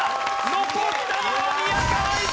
残ったのは宮川一朗太！